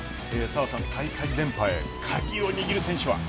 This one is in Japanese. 澤さん、大会連覇へ鍵を握る選手は？